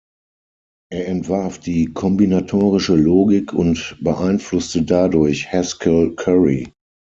Er entwarf die kombinatorische Logik und beeinflusste dadurch Haskell Curry.